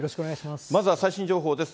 まずは最新情報です。